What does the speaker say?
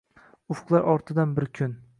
Ufqlar ortidan bir kun